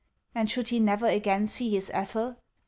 And should he never again see his Ethel